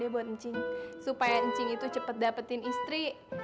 deh boncing supaya cing itu cepet dapetin istri